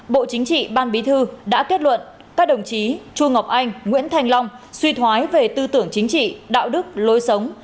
bộ chính trị ban bí thư đã kết luận các đồng chí chu ngọc anh nguyễn thành long suy thoái về tư tưởng chính trị đạo đức lối sống